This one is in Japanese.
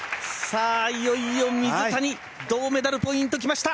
いよいよ水谷銅メダルポイントきました！